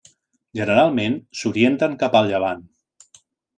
Generalment s'orienten cap al llevant.